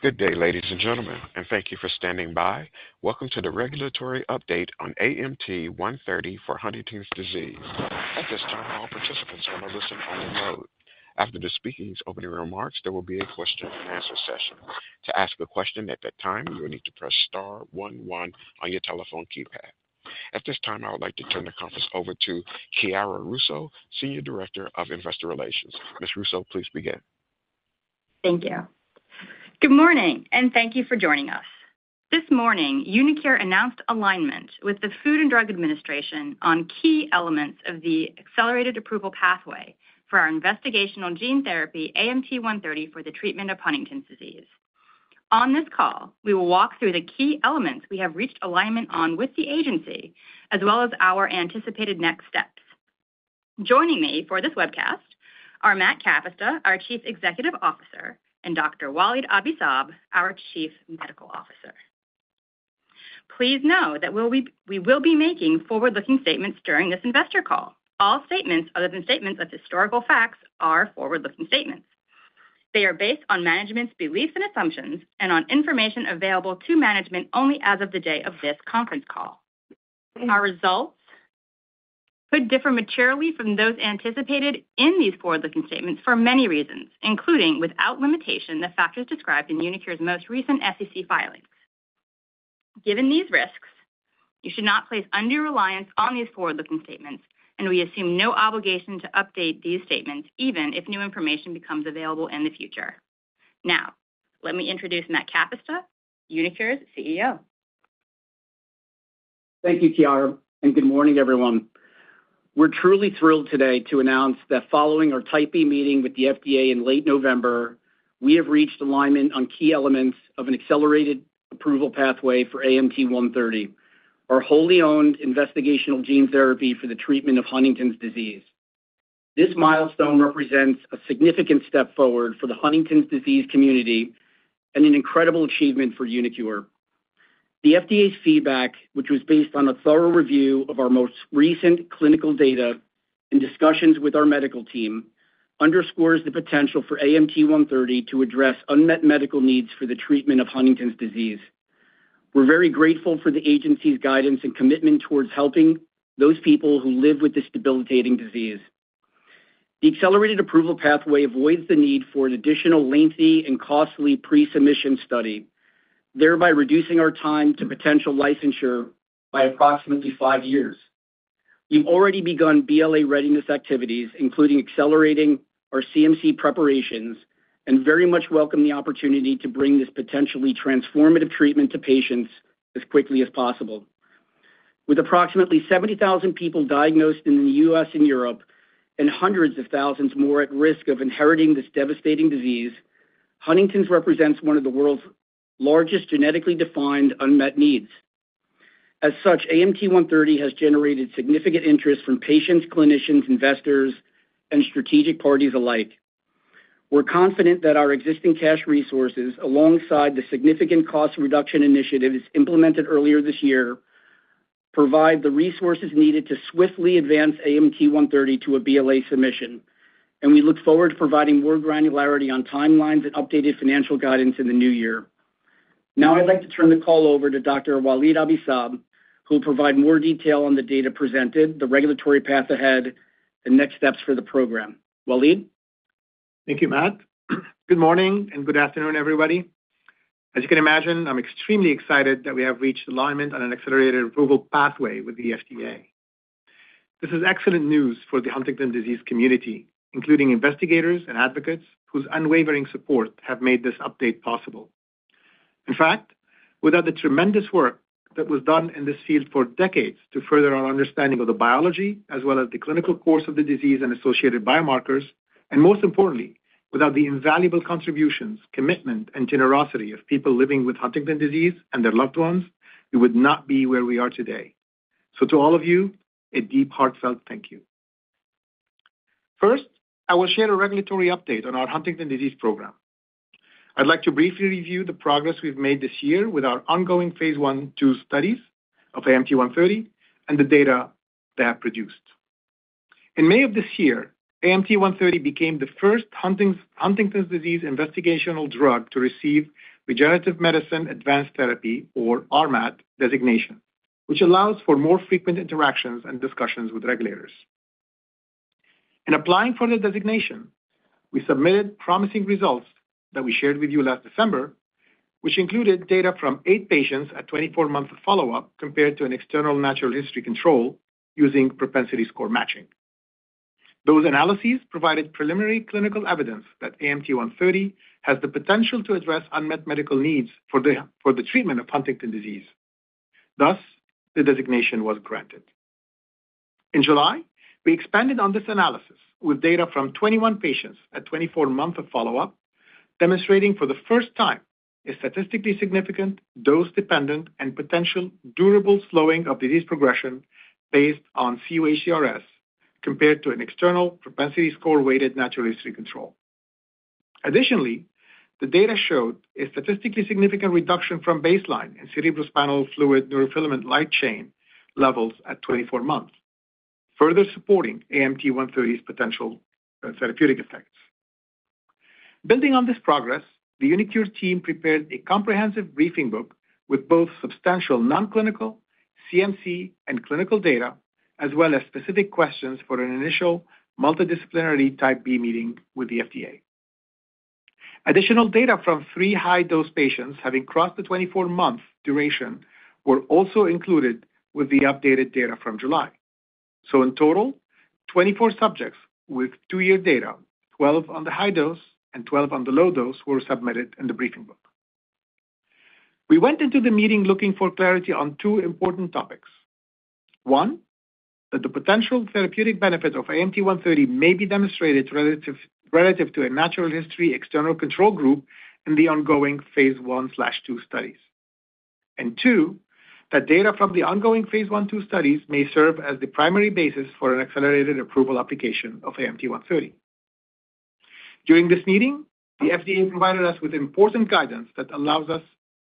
Good day, ladies and gentlemen, and thank you for standing by. Welcome to the regulatory update on AMT-130 for Huntington's disease. At this time, all participants are in a listen-only mode. After the speakers' opening remarks, there will be a Q&A session. To ask a question at that time, you will need to press star 11 on your telephone keypad. At this time, I would like to turn the conference over to Chiara Russo, Senior Director of Investor Relations. Ms. Russo, please begin. Thank you. Good morning, and thank you for joining us. This morning, uniQure announced alignment with the Food and Drug Administration on key elements of the accelerated approval pathway for our investigational gene therapy AMT-130 for the treatment of Huntington's disease. On this call, we will walk through the key elements we have reached alignment on with the agency, as well as our anticipated next steps. Joining me for this webcast are Matt Kapusta, our Chief Executive Officer, and Dr. Walid Abi-Saab, our Chief Medical Officer. Please know that we will be making forward-looking statements during this investor call. All statements, other than statements of historical facts, are forward-looking statements. They are based on management's beliefs and assumptions and on information available to management only as of the day of this conference call. Our results could differ materially from those anticipated in these forward-looking statements for many reasons, including without limitation the factors described in uniQure's most recent SEC filings. Given these risks, you should not place undue reliance on these forward-looking statements, and we assume no obligation to update these statements even if new information becomes available in the future. Now, let me introduce Matt Kapusta, uniQure's CEO. Thank you, Chiara, and good morning, everyone. We're truly thrilled today to announce that following our Type B Meeting with the FDA in late November, we have reached alignment on key elements of an Accelerated Approval pathway for AMT-130, our wholly-owned investigational gene therapy for the treatment of Huntington's disease. This milestone represents a significant step forward for the Huntington's disease community and an incredible achievement for uniQure. The FDA's feedback, which was based on a thorough review of our most recent clinical data and discussions with our medical team, underscores the potential for AMT-130 to address unmet medical needs for the treatment of Huntington's disease. We're very grateful for the agency's guidance and commitment toward helping those people who live with this debilitating disease. The accelerated approval pathway avoids the need for an additional lengthy and costly pre-submission study, thereby reducing our time to potential licensure by approximately five years. We've already begun BLA readiness activities, including accelerating our CMC preparations, and very much welcome the opportunity to bring this potentially transformative treatment to patients as quickly as possible. With approximately 70,000 people diagnosed in the U.S. and Europe and hundreds of thousands more at risk of inheriting this devastating disease, Huntington's represents one of the world's largest genetically defined unmet needs. As such, AMT-130 has generated significant interest from patients, clinicians, investors, and strategic parties alike. We're confident that our existing cash resources, alongside the significant cost reduction initiatives implemented earlier this year, provide the resources needed to swiftly advance AMT-130 to a BLA submission, and we look forward to providing more granularity on timelines and updated financial guidance in the new year. Now, I'd like to turn the call over to Dr. Walid Abi-Saab, who will provide more detail on the data presented, the regulatory path ahead, and next steps for the program. Walid? Thank you, Matt. Good morning and good afternoon, everybody. As you can imagine, I'm extremely excited that we have reached alignment on an accelerated approval pathway with the FDA. This is excellent news for the Huntington's disease community, including investigators and advocates whose unwavering support have made this update possible. In fact, without the tremendous work that was done in this field for decades to further our understanding of the biology, as well as the clinical course of the disease and associated biomarkers, and most importantly, without the invaluable contributions, commitment, and generosity of people living with Huntington's disease and their loved ones, we would not be where we are today. So, to all of you, a deep, heartfelt thank you. First, I will share a regulatory update on our Huntington's disease program. I'd like to briefly review the progress we've made this year with our ongoing phase I/II studies of AMT-130 and the data they have produced. In May of this year, AMT-130 became the first Huntington's disease investigational drug to receive Regenerative Medicine Advanced Therapy, or RMAT, designation, which allows for more frequent interactions and discussions with regulators. In applying for the designation, we submitted promising results that we shared with you last December, which included data from eight patients at 24-month follow-up compared to an external natural history control using propensity score matching. Those analyses provided preliminary clinical evidence that AMT-130 has the potential to address unmet medical needs for the treatment of Huntington's disease. Thus, the designation was granted. In July, we expanded on this analysis with data from 21 patients at 24-month follow-up, demonstrating for the first time a statistically significant, dose-dependent, and potential durable slowing of disease progression based on cUHDRS compared to an external propensity score-weighted natural history control. Additionally, the data showed a statistically significant reduction from baseline in cerebrospinal fluid neurofilament light chain levels at 24 months, further supporting AMT-130's potential therapeutic effects. Building on this progress, the uniQure team prepared a comprehensive briefing book with both substantial non-clinical, CMC, and clinical data, as well as specific questions for an initial multidisciplinary Type B meeting with the FDA. Additional data from three high-dose patients having crossed the 24-month duration were also included with the updated data from July. So, in total, 24 subjects with two-year data, 12 on the high dose and 12 on the low dose, were submitted in the briefing book. We went into the meeting looking for clarity on two important topics. One, that the potential therapeutic benefits of AMT-130 may be demonstrated relative to a natural history external control group in the ongoing phase I/II studies. And two, that data from the ongoing phase I/II studies may serve as the primary basis for an accelerated approval application of AMT-130. During this meeting, the FDA provided us with important guidance that allows us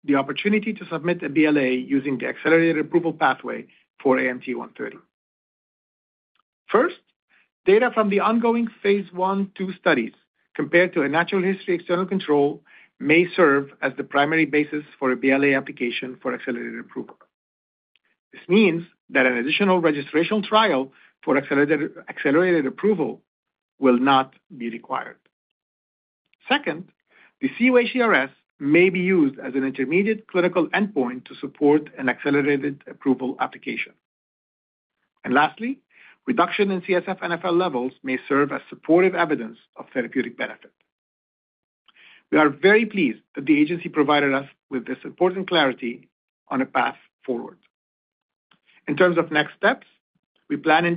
the opportunity to submit a BLA using the accelerated approval pathway for AMT-130. First, data from the ongoing phase I/II studies compared to a natural history external control may serve as the primary basis for a BLA application for accelerated approval. This means that an additional registration trial for accelerated approval will not be required. Second, the cUHDRS may be used as an intermediate clinical endpoint to support an accelerated approval application. lLastly, reduction in CSF and NfL levels may serve as supportive evidence of therapeutic benefit. We are very pleased that the agency provided us with this important clarity on a path forward. In terms of next steps, we plan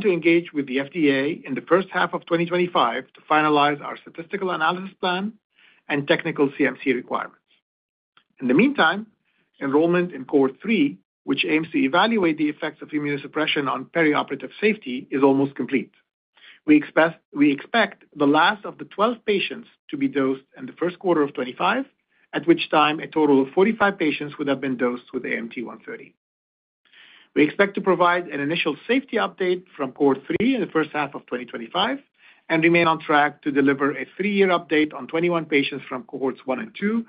to engage with the FDA in the H1 of 2025 to finalize our statistical analysis plan and technical CMC requirements. In the meantime, enrollment in Cohort 3, which aims to evaluate the effects of immunosuppression on perioperative safety, is almost complete. We expect the last of the 12 patients to be dosed in the Q1 of 2025, at which time a total of 45 patients would have been dosed with AMT-130. We expect to provide an initial safety update from Cohort 3 in the H1 of 2025 and remain on track to deliver a three-year update on 21 patients from Cohorts 1 and 2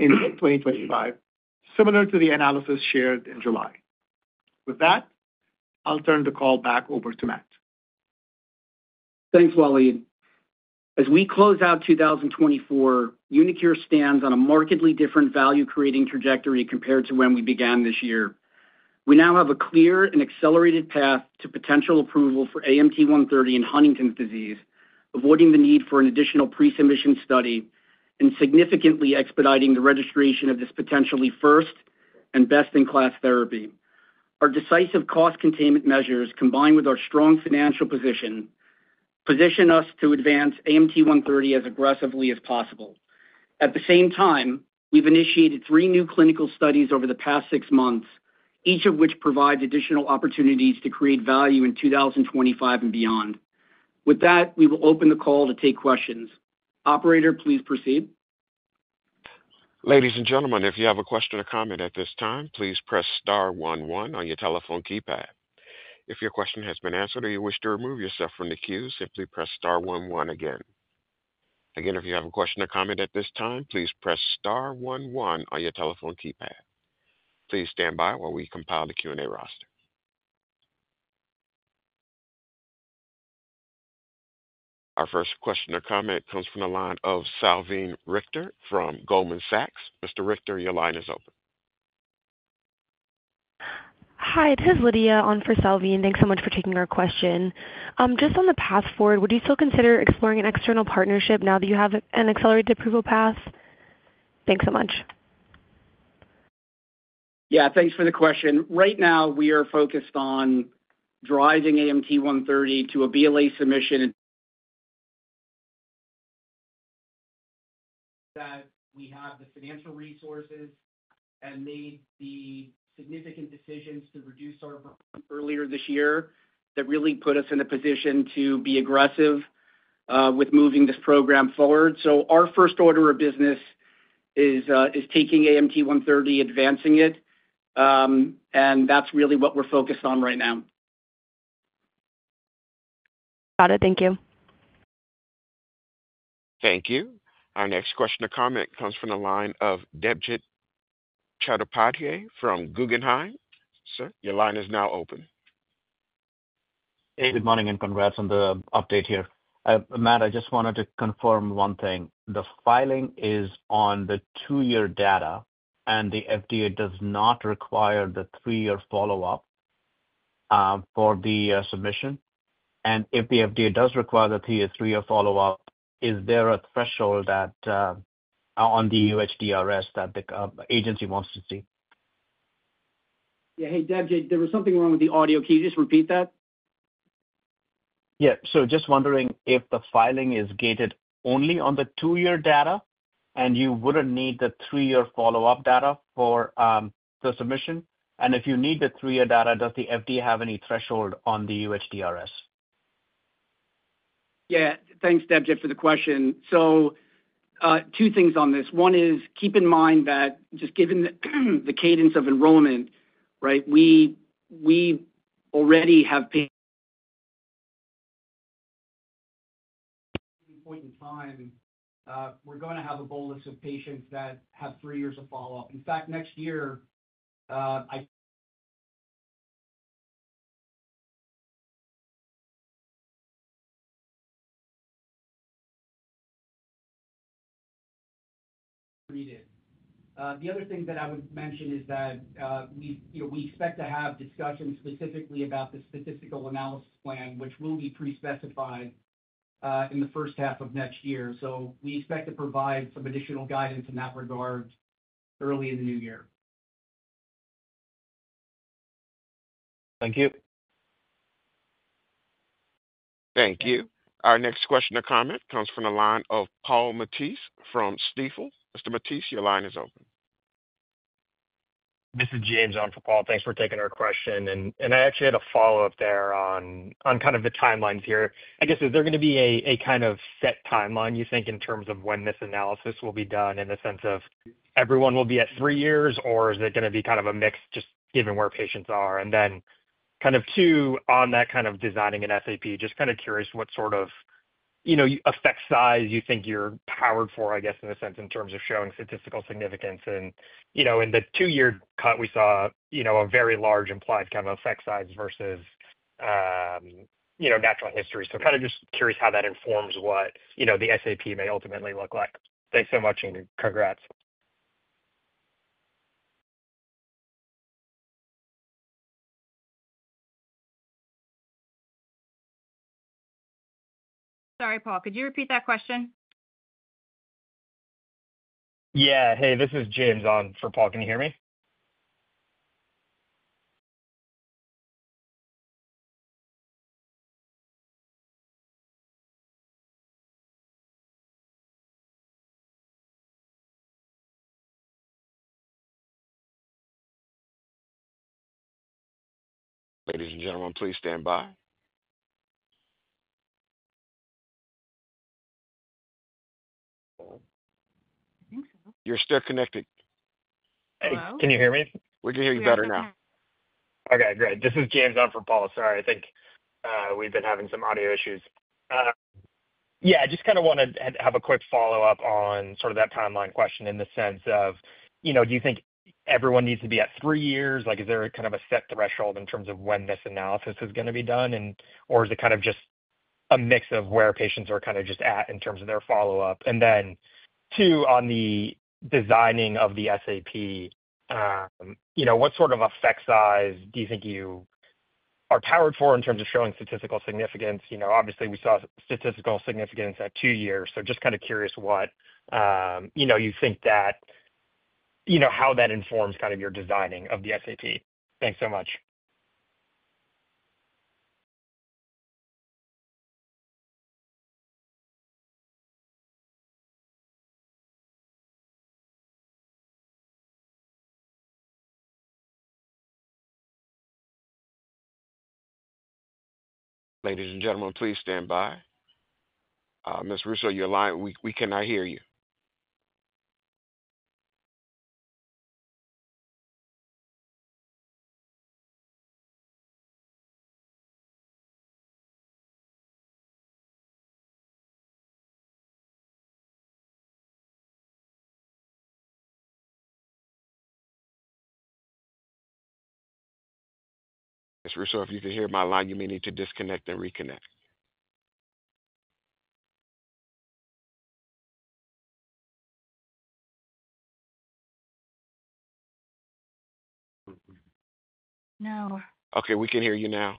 in 2025, similar to the analysis shared in July. With that, I'll turn the call back over to Matt. Thanks, Walid. As we close out 2024, uniQure stands on a markedly different value-creating trajectory compared to when we began this year. We now have a clear and accelerated path to potential approval for AMT-130 in Huntington's disease, avoiding the need for an additional pre-submission study and significantly expediting the registration of this potentially first and best-in-class therapy. Our decisive cost containment measures, combined with our strong financial position, position us to advance AMT-130 as aggressively as possible. At the same time, we've initiated three new clinical studies over the past six months, each of which provides additional opportunities to create value in 2025 and beyond. With that, we will open the call to take questions. Operator, please proceed. Ladies and gentlemen, if you have a question or comment at this time, please press star 11 on your telephone keypad. If your question has been answered or you wish to remove yourself from the queue, simply press star 11 again. Again, if you have a question or comment at this time, please press star 11 on your telephone keypad. Please stand by while we compile the Q&A roster. Our first question or comment comes from the line of Salveen Richter from Goldman Sachs. Mr. Richter, your line is open. Hi, it is Lydia on for Salveen. Thanks so much for taking our question. Just on the path forward, would you still consider exploring an external partnership now that you have an accelerated approval path? Thanks so much. Thanks for the question. Right now, we are focused on driving AMT-130 to a BLA submission. That, we have the financial resources and made the significant decisions to reduce our burn rate earlier this year, that really put us in a position to be aggressive with moving this program forward. So our first order of business is taking AMT-130, advancing it, and that's really what we're focused on right now. Got it. Thank you. Thank you. Our next question or comment comes from the line of Debjit Chattopadhyay from Guggenheim. Sir, your line is now open. Hey, good morning and congrats on the update here. Matt, I just wanted to confirm one thing. The filing is on the two-year data, and the FDA does not require the three-year follow-up for the submission. And if the FDA does require the three-year follow-up, is there a threshold on the cUHDRS that the agency wants to see? Debjit, there was something wrong with the audio. Can you just repeat that? So just wondering if the filing is gated only on the two-year data, and you wouldn't need the three-year follow-up data for the submission. And if you need the three-year data, does the FDA have any threshold on the cUHDRS? Thanks, Debjit, for the question. So two things on this. One is keep in mind that just given the cadence of enrollment, right, we already have patients at this point in time. We're going to have a bolus of patients that have three years of follow-up. In fact, next year, I agreed it. The other thing that I would mention is that we expect to have discussions specifically about the statistical analysis plan, which will be pre-specified in the H1 of next year. So we expect to provide some additional guidance in that regard early in the new year. Thank you. Thank you. Our next question or comment comes from the line of Paul Matteis from Stifel. Mr. Matteis, your line is open. This is James on for Paul Matteis. Thanks for taking our question. And I actually had a follow-up there on kind of the timelines here. I guess, is there going to be a kind of set timeline, you think, in terms of when this analysis will be done in the sense of everyone will be at three years, or is it going to be kind of a mix just given where patients are? And then kind of two, on that kind of designing an SAP, just kind of curious what sort of effect size you think you're powered for, I guess, in a sense, in terms of showing statistical significance. And in the two-year cut, we saw a very large implied kind of effect size versus natural history. So kind of just curious how that informs what the SAP may ultimately look like. Thanks so much and congrats. Sorry, Paul. Could you repeat that question? This is James on for Paul. Can you hear me? Ladies and gentlemen, please stand by. I think so. You're still connected. Hello? Can you hear me? We can hear you better now. Okay. Great. This is James on for Paul. Sorry, I think we've been having some audio issues. Just kind of wanted to have a quick follow-up on sort of that timeline question in the sense of, do you think everyone needs to be at three years? Is there kind of a set threshold in terms of when this analysis is going to be done, or is it kind of just a mix of where patients are kind of just at in terms of their follow-up? And then two, on the designing of the SAP, what sort of effect size do you think you are powered for in terms of showing statistical significance? Obviously, we saw statistical significance at two years. So just kind of curious what you think that how that informs kind of your designing of the SAP. Thanks so much. Ladies and gentlemen, please stand by. Ms. Russo, your line, we cannot hear you. Ms. Russo, if you can hear my line, you may need to disconnect and reconnect. No. Okay. We can hear you now.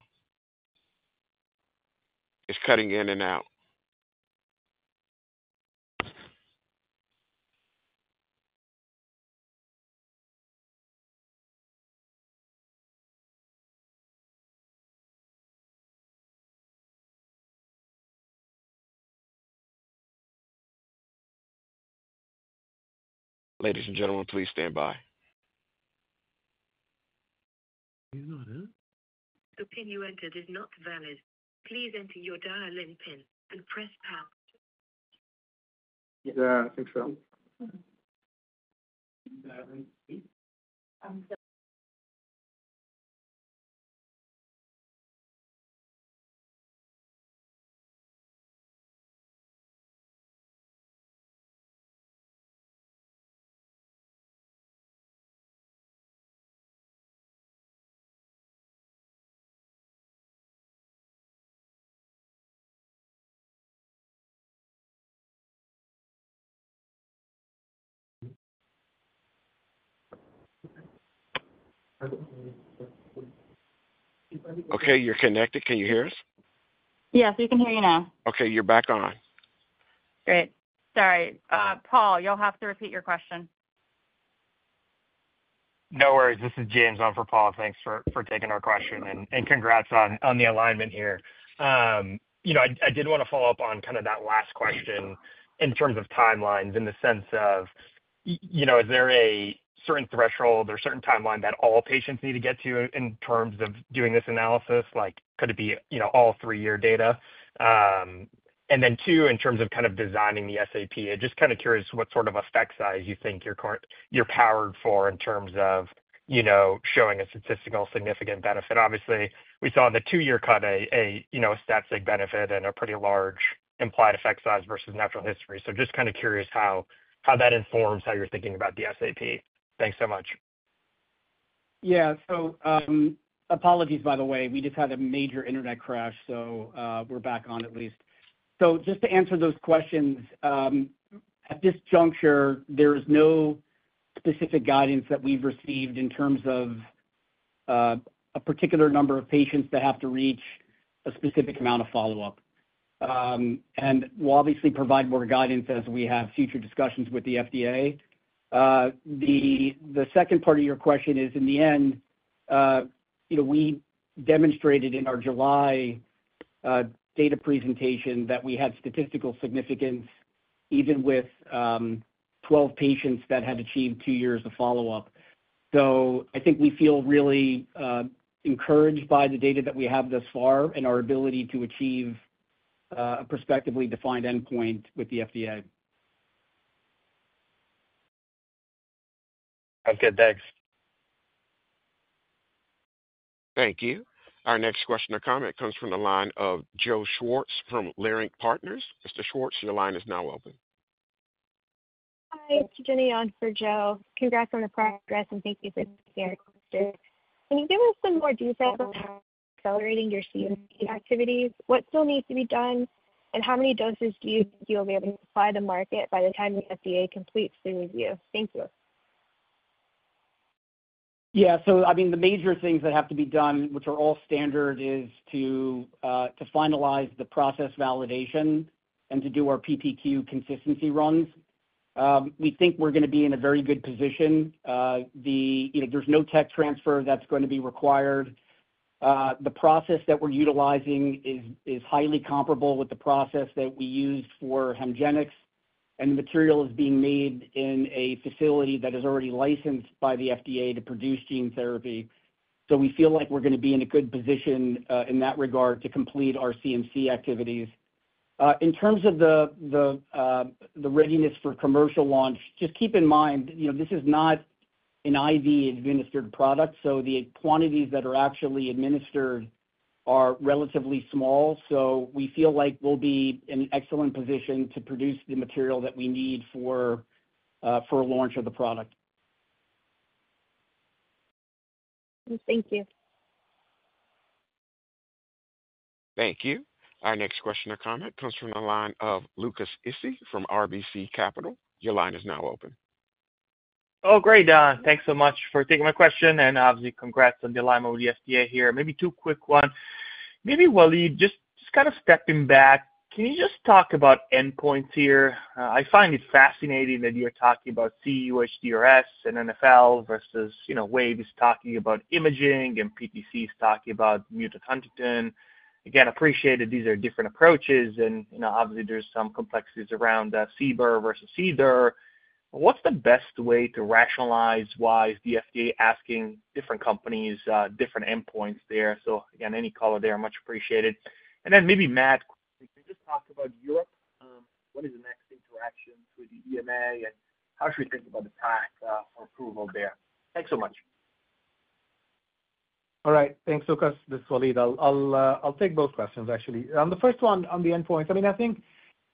It's cutting in and out. Ladies and gentlemen, please stand by. You're not in? The PIN you entered is not valid. Please enter your dial-in PIN and press pound. I think so. Okay. You're connected. Can you hear us? Yes, we can hear you now. Okay. You're back on. Great. Sorry. Paul, you'll have to repeat your question. No worries. This is James on for Paul. Thanks for taking our question and congrats on the alignment here. I did want to follow up on kind of that last question in terms of timelines in the sense of, is there a certain threshold or certain timeline that all patients need to get to in terms of doing this analysis? Could it be all three-year data? And then two, in terms of kind of designing the SAP, I'm just kind of curious what sort of effect size you think you're powered for in terms of showing a statistical significant benefit. Obviously, we saw in the two-year cut a stat-sig benefit and a pretty large implied effect size versus natural history. So just kind of curious how that informs how you're thinking about the SAP. Thanks so much. So apologies, by the way. We just had a major internet crash, so we're back on at least. So just to answer those questions, at this juncture, there is no specific guidance that we've received in terms of a particular number of patients that have to reach a specific amount of follow-up. And we'll obviously provide more guidance as we have future discussions with the FDA. The second part of your question is, in the end, we demonstrated in our July data presentation that we had statistical significance even with 12 patients that had achieved two years of follow-up. So I think we feel really encouraged by the data that we have thus far and our ability to achieve a prospectively defined endpoint with the FDA. Okay. Thanks. Thank you. Our next question or comment comes from the line of Joe Schwartz from Leerink Partners. Mr. Schwartz, your line is now open. Hi. Jenny on for Joe. Congrats on the progress, and thank you for sharing. Can you give us some more details on how you're accelerating your CMC activities, what still needs to be done, and how many doses do you think you'll be able to supply the market by the time the FDA completes the review? Thank you. So I mean, the major things that have to be done, which are all standard, is to finalize the process validation and to do our PPQ consistency runs. We think we're going to be in a very good position. There's no tech transfer that's going to be required. The process that we're utilizing is highly comparable with the process that we used for Hemgenix, and the material is being made in a facility that is already licensed by the FDA to produce gene therapy. So we feel like we're going to be in a good position in that regard to complete our CMC activities. In terms of the readiness for commercial launch, just keep in mind this is not an IV-administered product, so the quantities that are actually administered are relatively small. So we feel like we'll be in an excellent position to produce the material that we need for launch of the product. Thank you. Thank you. Our next question or comment comes from the line of Luca Issi from RBC Capital Markets. Your line is now open. Oh, great. Thanks so much for taking my question. And obviously, congrats on your alignment with the FDA here. Maybe two quick ones. Maybe Walid, just kind of stepping back, can you just talk about endpoints here? I find it fascinating that you're talking about cUHDRS and NfL versus Wave is talking about imaging and PTC is talking about mutant huntingtin. Again, I appreciate these are different approaches. And obviously, there's some complexities around CBER versus CDER. What's the best way to rationalize why the FDA is asking different companies different endpoints there? So again, any color there'd be much appreciated. And then maybe Matt. Can you just talk about Europe? What is the next interaction with the EMA, and how should we think about the path for approval there? Thanks so much. All right. Thanks, Luca. This is Walid. I'll take both questions, actually. On the first one, on the endpoints, I mean, I think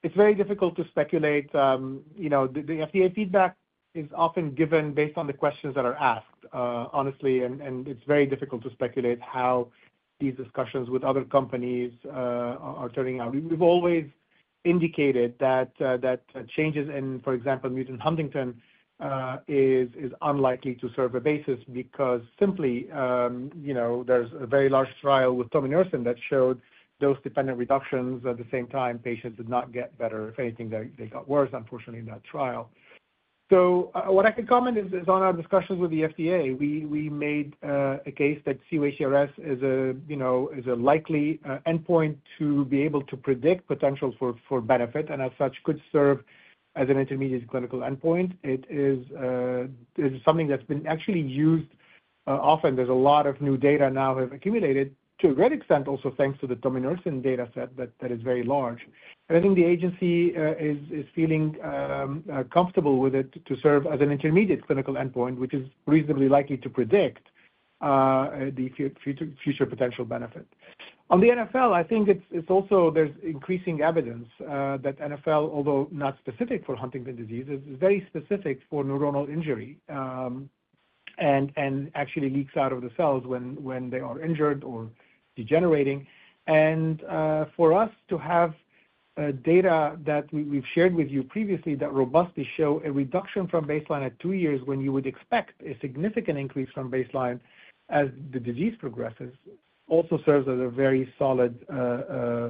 it's very difficult to speculate. The FDA feedback is often given based on the questions that are asked, honestly, and it's very difficult to speculate how these discussions with other companies are turning out. We've always indicated that changes in, for example, mutant huntingtin is unlikely to serve a basis because simply there's a very large trial with tominersen that showed dose-dependent reductions. At the same time, patients did not get better. If anything, they got worse, unfortunately, in that trial. So what I can comment is on our discussions with the FDA, we made a case that cUHDRS is a likely endpoint to be able to predict potential for benefit, and as such, could serve as an intermediate clinical endpoint. It is something that's been actually used often. There's a lot of new data now have accumulated to a great extent, also thanks to the tominersen data set that is very large. I think the agency is feeling comfortable with it to serve as an intermediate clinical endpoint, which is reasonably likely to predict the future potential benefit. On the NfL, I think it's also there's increasing evidence that NFL, although not specific for Huntington's disease, is very specific for neuronal injury and actually leaks out of the cells when they are injured or degenerating. For us to have data that we've shared with you previously that robustly show a reduction from baseline at two years when you would expect a significant increase from baseline as the disease progresses also serves as a very solid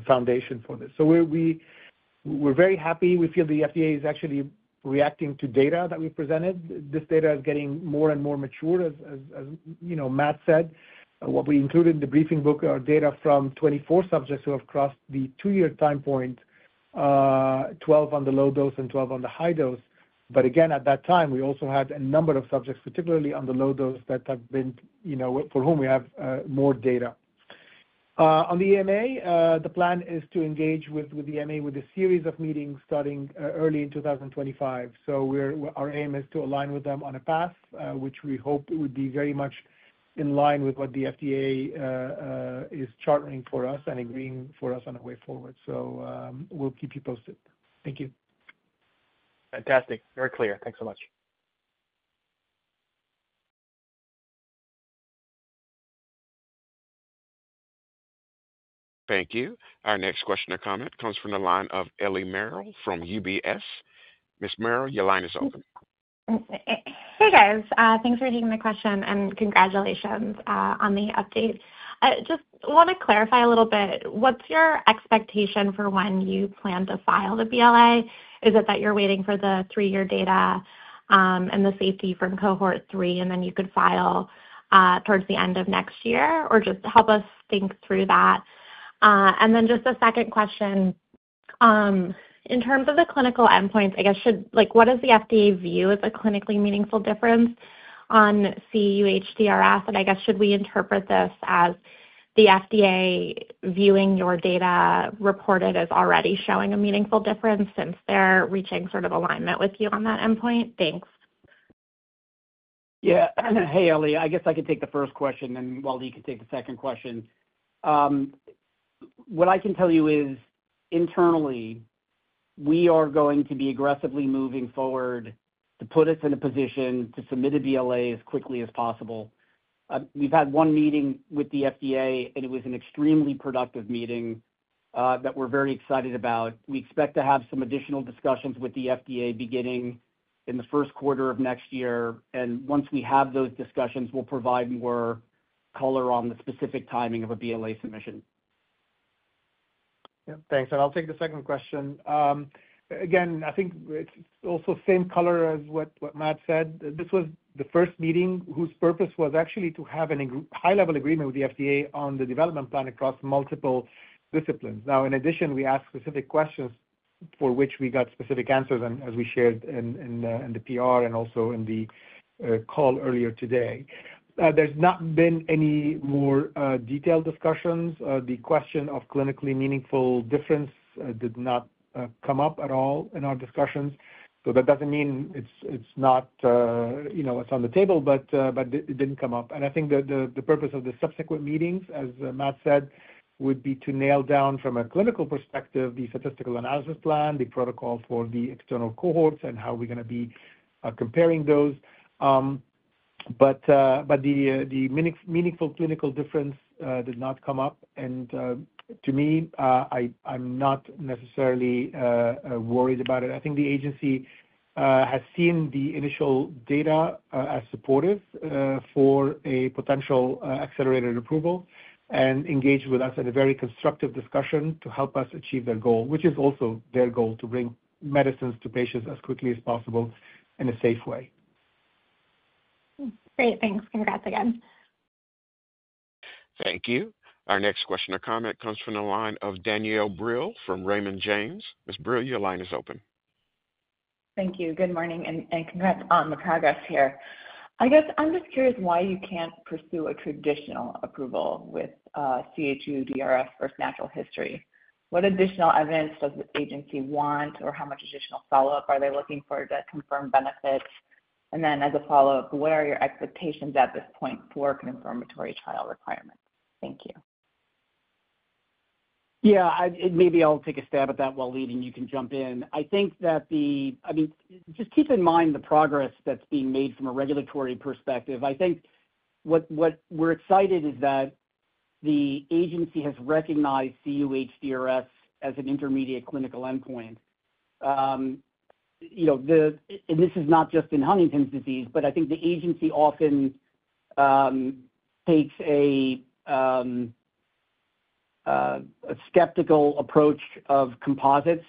foundation for this. We're very happy. We feel the FDA is actually reacting to data that we presented. This data is getting more and more mature, as Matt said. What we included in the briefing book are data from 24 subjects who have crossed the two-year time point, 12 on the low dose and 12 on the high dose. But again, at that time, we also had a number of subjects, particularly on the low dose, that have been for whom we have more data. On the EMA, the plan is to engage with the EMA with a series of meetings starting early in 2025. So our aim is to align with them on a path, which we hope would be very much in line with what the FDA is charting for us and agreeing for us on a way forward. So we'll keep you posted. Thank you. Fantastic. Very clear. Thanks so much. Thank you. Our next question or comment comes from the line of Eliana Merle from UBS. Ms. Merle, your line is open. Hey, guys. Thanks for taking the question and congratulations on the update. Just want to clarify a little bit. What's your expectation for when you plan to file the BLA? Is it that you're waiting for the three-year data and the safety from cohort three, and then you could file towards the end of next year? Or just help us think through that. And then just a second question. In terms of the clinical endpoints, I guess, what does the FDA view as a clinically meaningful difference on cUHDRS? And I guess, should we interpret this as the FDA viewing your data reported as already showing a meaningful difference since they're reaching sort of alignment with you on that endpoint? Thanks. Ellie, I guess I can take the first question, and Walid, you can take the second question. What I can tell you is, internally, we are going to be aggressively moving forward to put us in a position to submit a BLA as quickly as possible. We've had one meeting with the FDA, and it was an extremely productive meeting that we're very excited about. We expect to have some additional discussions with the FDA beginning in the Q1 of next year, and once we have those discussions, we'll provide more color on the specific timing of a BLA submission. Thanks. And I'll take the second question. Again, I think it's also same color as what Matt said. This was the first meeting whose purpose was actually to have a high-level agreement with the FDA on the development plan across multiple disciplines. Now, in addition, we asked specific questions for which we got specific answers, as we shared in the PR and also in the call earlier today. There's not been any more detailed discussions. The question of clinically meaningful difference did not come up at all in our discussions. So that doesn't mean it's not what's on the table, but it didn't come up. And I think the purpose of the subsequent meetings, as Matt said, would be to nail down, from a clinical perspective, the statistical analysis plan, the protocol for the external cohorts, and how we're going to be comparing those. But the meaningful clinical difference did not come up. And to me, I'm not necessarily worried about it. I think the agency has seen the initial data as supportive for a potential accelerated approval and engaged with us in a very constructive discussion to help us achieve their goal, which is also their goal to bring medicines to patients as quickly as possible in a safe way. Great. Thanks. Congrats again. Thank you. Our next question or comment comes from the line of Danielle Brill from Raymond James. Ms. Brill, your line is open. Thank you. Good morning and congrats on the progress here. I guess I'm just curious why you can't pursue a traditional approval with cUHDRS versus natural history. What additional evidence does the agency want, or how much additional follow-up are they looking for to confirm benefits? And then as a follow-up, what are your expectations at this point for confirmatory trial requirements? Thank you. Maybe I'll take a stab at that while leading. You can jump in. I think that the—I mean, just keep in mind the progress that's being made from a regulatory perspective. I think what we're excited is that the agency has recognized cUHDRS as an intermediate clinical endpoint. And this is not just in Huntington's disease, but I think the agency often takes a skeptical approach of composites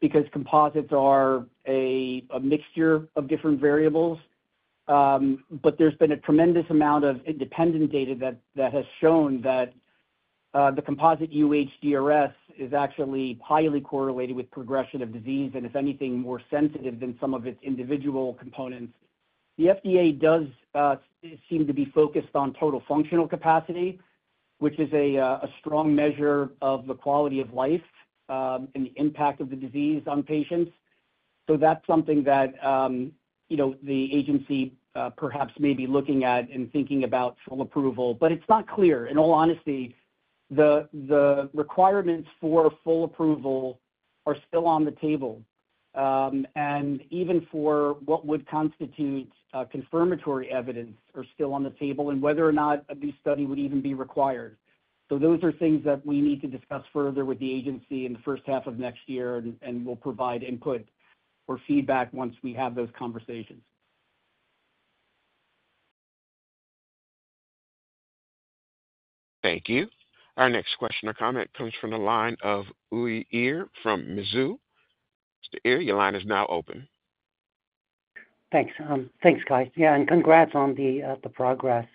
because composites are a mixture of different variables. But there's been a tremendous amount of independent data that has shown that the composite cUHDRS is actually highly correlated with progression of disease and, if anything, more sensitive than some of its individual components. The FDA does seem to be focused on total functional capacity, which is a strong measure of the quality of life and the impact of the disease on patients. So that's something that the agency perhaps may be looking at and thinking about full approval. But it's not clear. In all honesty, the requirements for full approval are still on the table. And even for what would constitute confirmatory evidence are still on the table and whether or not a new study would even be required. So those are things that we need to discuss further with the agency in the H1 of next year, and we'll provide input or feedback once we have those conversations. Thank you. Our next question or comment comes from the line of Uy Ear from Mizuho. Mr. Ear, your line is now open. Thanks. Thanks, guys. Congrats on the progress.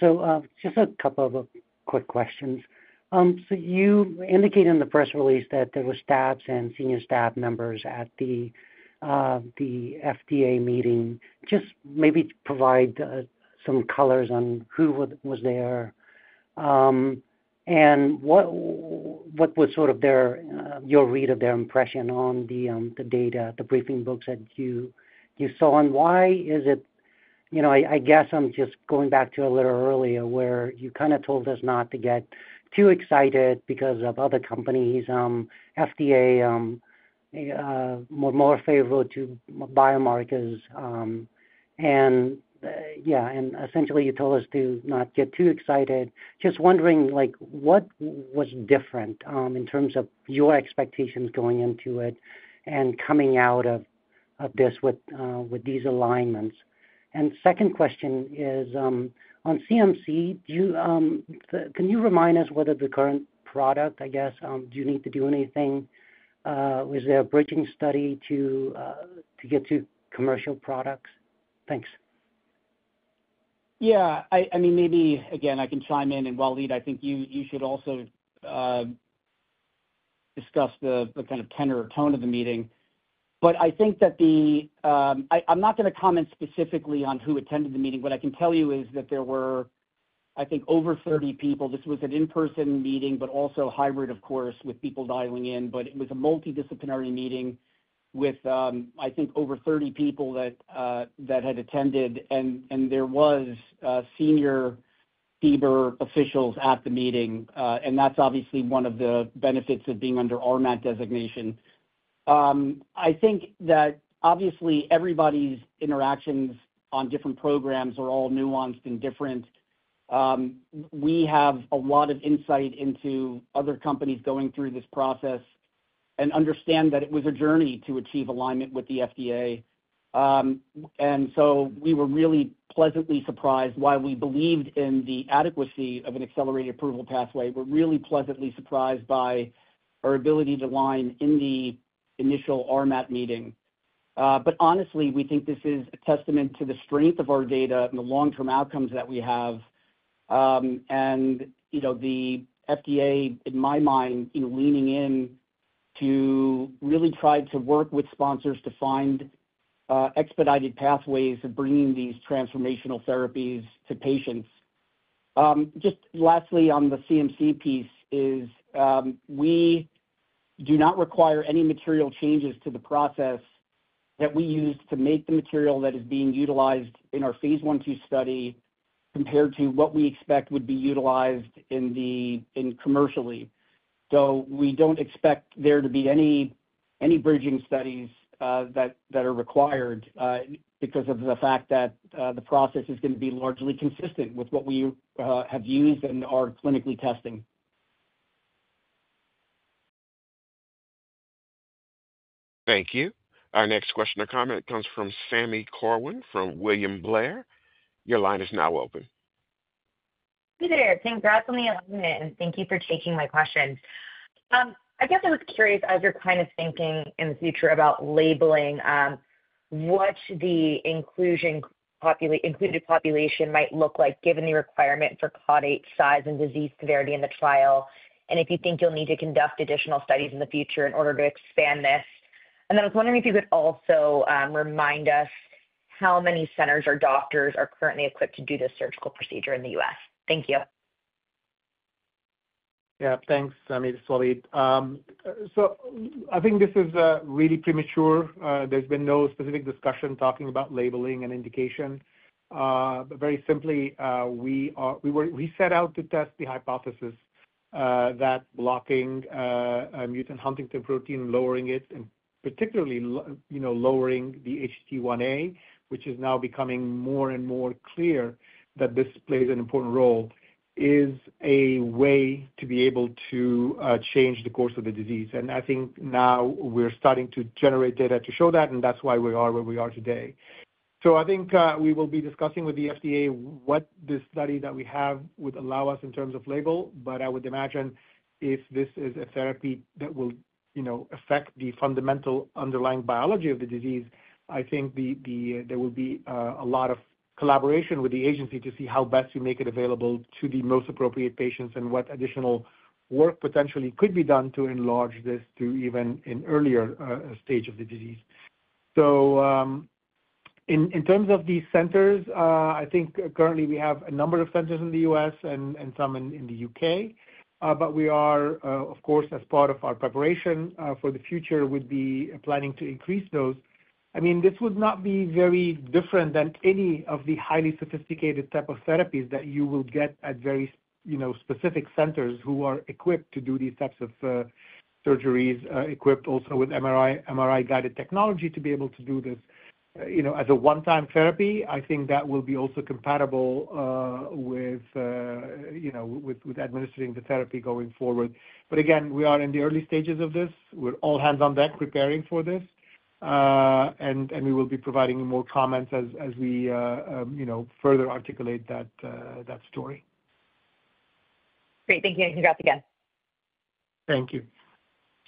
So just a couple of quick questions. So you indicated in the press release that there were staff and senior staff members at the FDA meeting. Just maybe provide some colors on who was there and what was sort of your read of their impression on the data, the briefing books that you saw, and why is it, I guess I'm just going back to a little earlier where you kind of told us not to get too excited because of other companies, FDA more favorable to biomarkers. And essentially, you told us to not get too excited. Just wondering what was different in terms of your expectations going into it and coming out of this with these alignments. Second question is, on CMC, can you remind us whether the current product, I guess, do you need to do anything? Was there a bridging study to get to commercial products? Thanks. I mean, maybe again, I can chime in, and Walid, I think you should also discuss the kind of tenor or tone of the meeting. But I think that the. I'm not going to comment specifically on who attended the meeting. What I can tell you is that there were, I think, over 30 people. This was an in-person meeting, but also hybrid, of course, with people dialing in, but it was a multidisciplinary meeting with, I think, over 30 people that had attended, and there were senior FDA officials at the meeting, and that's obviously one of the benefits of being under RMAT designation. I think that obviously, everybody's interactions on different programs are all nuanced and different. We have a lot of insight into other companies going through this process and understand that it was a journey to achieve alignment with the FDA. And so we were really pleasantly surprised while we believed in the adequacy of an accelerated approval pathway. We're really pleasantly surprised by our ability to align in the initial RMAT meeting. But honestly, we think this is a testament to the strength of our data and the long-term outcomes that we have. And the FDA, in my mind, leaning in to really try to work with sponsors to find expedited pathways of bringing these transformational therapies to patients. Just lastly, on the CMC piece, we do not require any material changes to the process that we use to make the material that is being utilized in our phase 1/2 study compared to what we expect would be utilized commercially. We don't expect there to be any bridging studies that are required because of the fact that the process is going to be largely consistent with what we have used in our clinical testing. Thank you. Our next question or comment comes from Sami Corwin from William Blair. Your line is now open. Hi there. Congrats on the alignment, and thank you for taking my questions. I guess I was curious as you're kind of thinking in the future about labeling what the included population might look like given the requirement for cUHDRS stage and disease severity in the trial and if you think you'll need to conduct additional studies in the future in order to expand this? And then I was wondering if you could also remind us how many centers or doctors are currently equipped to do this surgical procedure in the U.S.? Thank you. Thanks, Sami. Just Walid. So I think this is really premature. There's been no specific discussion talking about labeling and indication. But very simply, we set out to test the hypothesis that blocking a mutant huntington protein, lowering it, and particularly lowering the HTT, which is now becoming more and more clear that this plays an important role, is a way to be able to change the course of the disease. And I think now we're starting to generate data to show that, and that's why we are where we are today. So I think we will be discussing with the FDA what this study that we have would allow us in terms of label. But I would imagine if this is a therapy that will affect the fundamental underlying biology of the disease, I think there will be a lot of collaboration with the agency to see how best to make it available to the most appropriate patients and what additional work potentially could be done to enlarge this to even an earlier stage of the disease. So in terms of these centers, I think currently we have a number of centers in the U.S. and some in the U.K. But we are, of course, as part of our preparation for the future, would be planning to increase those. I mean, this would not be very different than any of the highly sophisticated type of therapies that you will get at very specific centers who are equipped to do these types of surgeries, equipped also with MRI-guided technology to be able to do this. As a one-time therapy, I think that will be also compatible with administering the therapy going forward. But again, we are in the early stages of this. We're all hands on deck preparing for this. And we will be providing more comments as we further articulate that story. Great. Thank you. Congrats again. Thank you.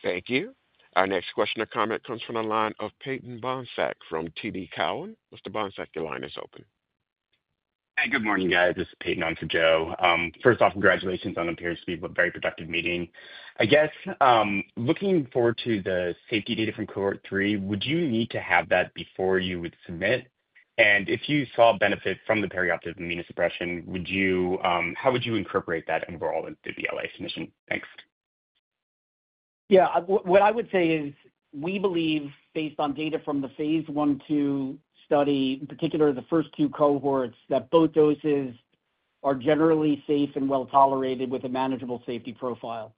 Thank you. Our next question or comment comes from the line of Peyton Bohnsack from TD Cowen. Mr. Bohnsack, your line is open. Hey, good morning, guys. This is Peyton on for Joe. First off, congratulations on appearing to be a very productive meeting. I guess looking forward to the safety data from Cohort 3, would you need to have that before you would submit? And if you saw benefit from the perioperative immunosuppression, how would you incorporate that overall into the BLA submission? Thanks. What I would say is we believe, based on data from the phase 1/2 study, in particular, the first two cohorts, that both doses are generally safe and well tolerated with a manageable safety profile.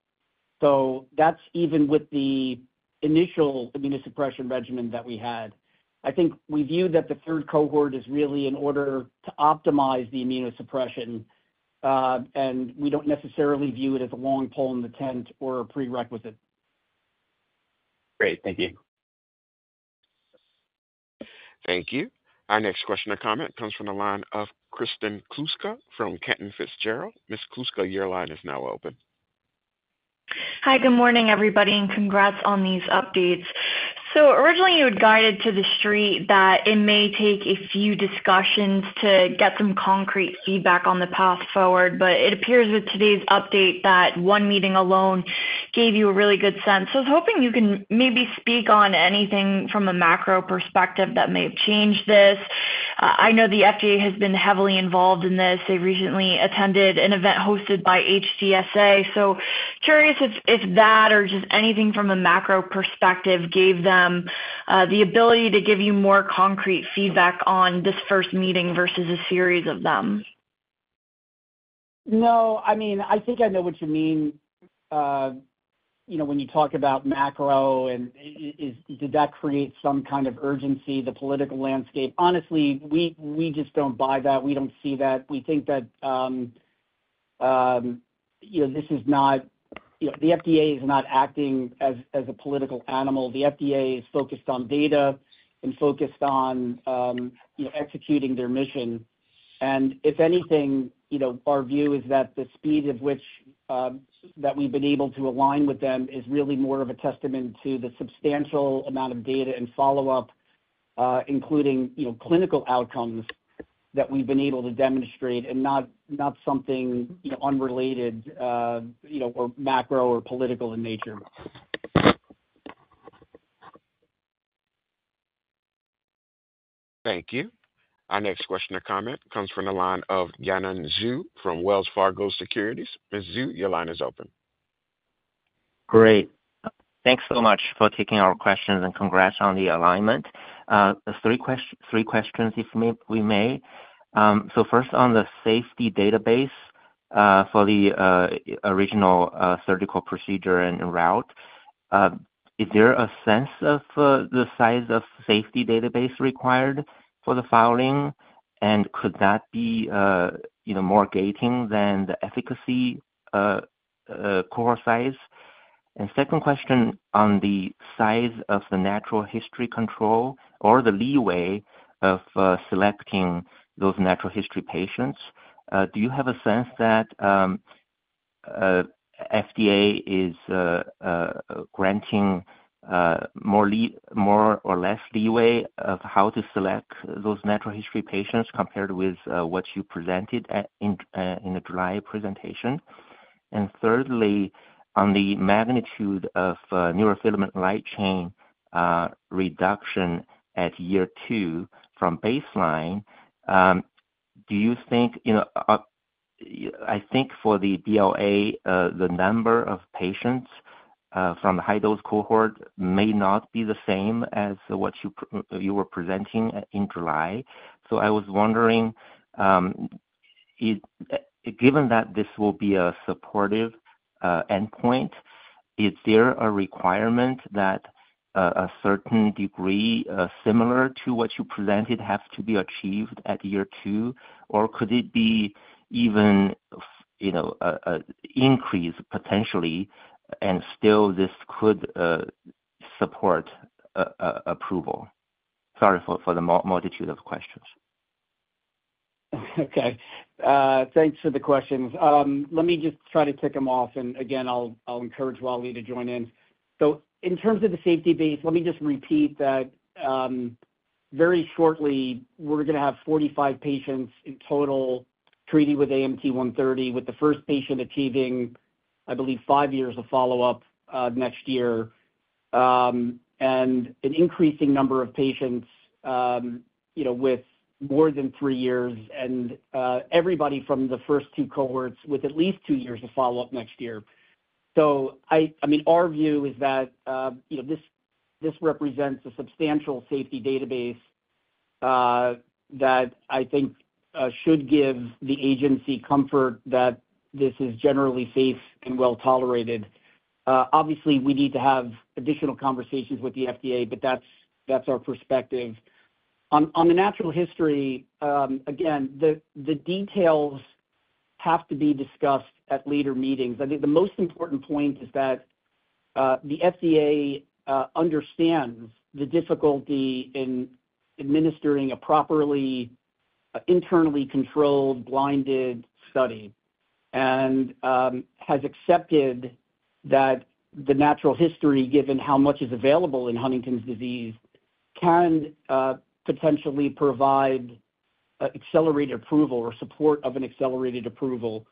So that's even with the initial immunosuppression regimen that we had. I think we view that the third cohort is really in order to optimize the immunosuppression, and we don't necessarily view it as a long pole in the tent or a prerequisite. Great. Thank you. Thank you. Our next question or comment comes from the line of Kristen Kluska from Cantor Fitzgerald. Ms. Kluska, your line is now open. Hi, good morning, everybody, and congrats on these updates. So originally, you had guided to the street that it may take a few discussions to get some concrete feedback on the path forward. But it appears with today's update that one meeting alone gave you a really good sense. So I was hoping you can maybe speak on anything from a macro perspective that may have changed this. I know the FDA has been heavily involved in this. They recently attended an event hosted by HDSA. So curious if that or just anything from a macro perspective gave them the ability to give you more concrete feedback on this first meeting versus a series of them. No. I mean, I think I know what you mean when you talk about macro, and did that create some kind of urgency, the political landscape? Honestly, we just don't buy that. We don't see that. We think that this is not. The FDA is not acting as a political animal. The FDA is focused on data and focused on executing their mission, and if anything, our view is that the speed of which that we've been able to align with them is really more of a testament to the substantial amount of data and follow-up, including clinical outcomes that we've been able to demonstrate and not something unrelated or macro or political in nature. Thank you. Our next question or comment comes from the line of Yanan Zhu from Wells Fargo Securities. Ms. Zhu, your line is open. Great. Thanks so much for taking our questions and congrats on the alignment. Three questions, if we may. So first, on the safety database for the original surgical procedure and route, is there a sense of the size of safety database required for the filing? And could that be more gating than the efficacy cohort size? And second question on the size of the natural history control or the leeway of selecting those natural history patients. Do you have a sense that FDA is granting more or less leeway of how to select those natural history patients compared with what you presented in the July presentation? And thirdly, on the magnitude of neurofilament light chain reduction at year two from baseline, do you think for the BLA, the number of patients from the high-dose cohort may not be the same as what you were presenting in July. I was wondering, given that this will be a supportive endpoint, is there a requirement that a certain degree similar to what you presented has to be achieved at year two? Or could it be even an increase potentially? Still, this could support approval. Sorry for the multitude of questions. Okay. Thanks for the questions. Let me just try to kick them off. And again, I'll encourage Walid to join in. So in terms of the safety base, let me just repeat that very shortly. We're going to have 45 patients in total treated with AMT-130, with the first patient achieving, I believe, five years of follow-up next year, and an increasing number of patients with more than three years, and everybody from the first two cohorts with at least two years of follow-up next year. So I mean, our view is that this represents a substantial safety database that I think should give the agency comfort that this is generally safe and well tolerated. Obviously, we need to have additional conversations with the FDA, but that's our perspective. On the natural history, again, the details have to be discussed at later meetings. I think the most important point is that the FDA understands the difficulty in administering a properly internally controlled blinded study and has accepted that the natural history, given how much is available in Huntington's disease, can potentially provide accelerated approval or support of an accelerated approval.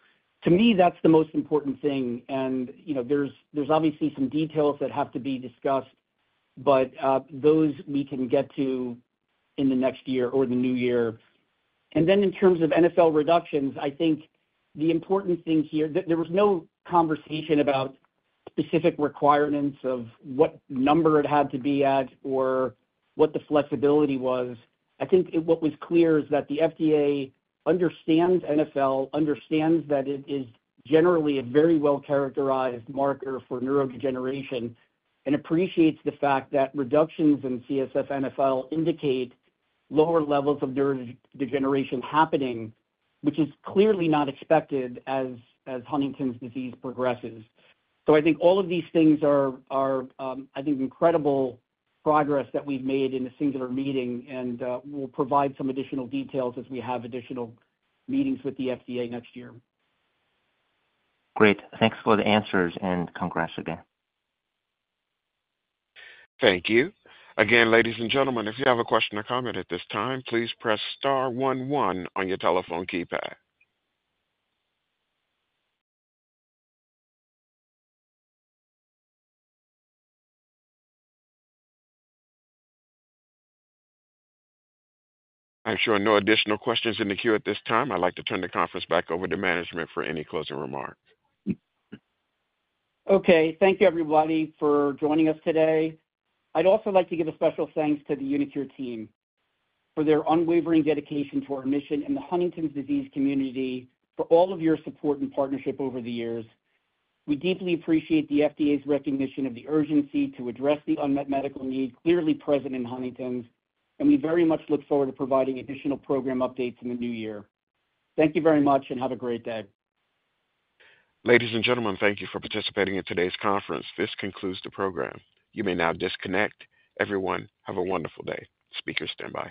To me, that's the most important thing. And there's obviously some details that have to be discussed, but those we can get to in the next year or the new year. And then in terms of NfL reductions, I think the important thing here there was no conversation about specific requirements of what number it had to be at or what the flexibility was. I think what was clear is that the FDA understands NfL, understands that it is generally a very well-characterized marker for neurodegeneration, and appreciates the fact that reductions in CSF NfL indicate lower levels of neurodegeneration happening, which is clearly not expected as Huntington's disease progresses, so I think all of these things are, I think, incredible progress that we've made in a singular meeting and will provide some additional details as we have additional meetings with the FDA next year. Great. Thanks for the answers, and congrats again. Thank you. Again, ladies and gentlemen, if you have a question or comment at this time, please press star 11 on your telephone keypad. I'm sure no additional questions in the queue at this time. I'd like to turn the conference back over to management for any closing remarks. Okay. Thank you, everybody, for joining us today. I'd also like to give a special thanks to the uniQure team for their unwavering dedication to our mission in the Huntington's disease community, for all of your support and partnership over the years. We deeply appreciate the FDA's recognition of the urgency to address the unmet medical need clearly present in Huntington's, and we very much look forward to providing additional program updates in the new year. Thank you very much, and have a great day. Ladies and gentlemen, thank you for participating in today's conference. This concludes the program. You may now disconnect. Everyone, have a wonderful day. Speaker standby.